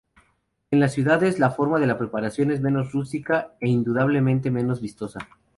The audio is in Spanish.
En las ciudades, la forma de preparación es menos rústica e indudablemente menos vistosa.